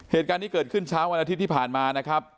เหตุการณ์นี้เกิดขึ้นเช้าวันอาทิตย์ที่ผ่านมานะครับ